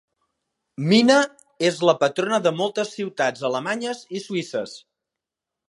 Mina és la patrona de moltes ciutats alemanyes i suïsses.